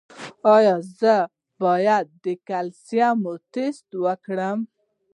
ایا زه باید د کلسیم ټسټ وکړم؟